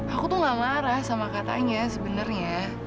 aku tuh gak marah sama katanya sebenarnya